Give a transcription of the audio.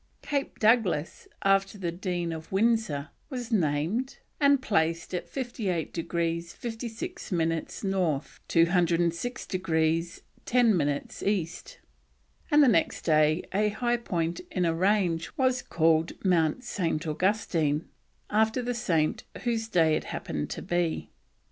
Cape Douglas, after the Dean of Windsor, was named, and placed in 58 degrees 56 minutes North, 206 degrees 10 minutes East; and the next day a high point in a range was called Mount St. Augustine, after the saint whose day it happened to be.